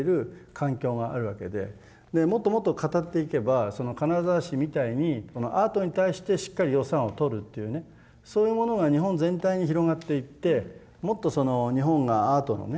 もっともっと語っていけばその金沢市みたいにアートに対してしっかり予算をとるというねそういうものが日本全体に広がっていってもっとその日本がアートのね